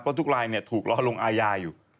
เพราะทุกรายถูกรอลงอาญาอยู่